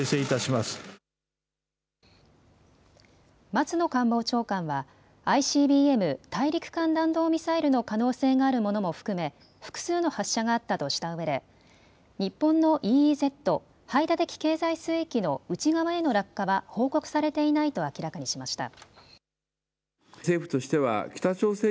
松野官房長官はＩＣＢＭ・大陸間弾道ミサイルの可能性があるものも含め複数の発射があったとしたうえで日本のＥＥＺ・排他的経済水域の内側への落下は報告されていないと明らかにしました。